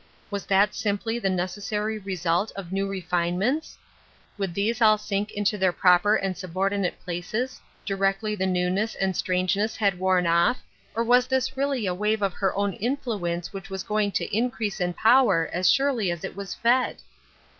Was that simply the necessary result of new refinements? Would these all sink into their proper and iubordinate places 348 Ruth Urskine's Crosses, directly the newness and strangeness had worn off, or was this really a wave of her own mflu ence which was going to increase in power aa surely as it was fed